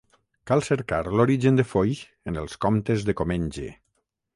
Cal cercar l'origen de Foix en els comtes de Comenge.